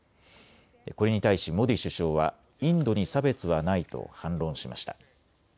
これに対しモディ首相はインドに差別はないと反論しました。